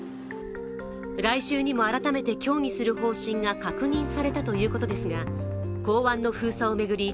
来週にも改めて協議する方針が確認されたということですが港湾の封鎖を巡り